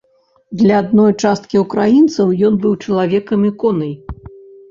Для адной часткі ўкраінцаў ён быў чалавекам-іконай.